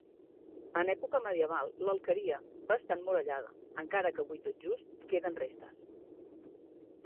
En època medieval l'alqueria va estar emmurallada, encara que avui tot just queden restes.